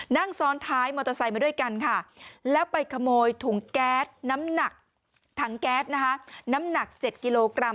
นั่งซ้อนท้ายมอเตอร์ไซค์มาด้วยกันแล้วไปขโมยถุงแก๊สน้ำหนัก๗กิโลกรัม